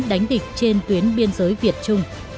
đánh địch trên tuyến biên giới việt trung